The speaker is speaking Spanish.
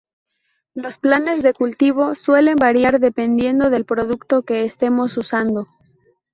Los planes de cultivo suelen variar dependiendo del producto que estemos usando.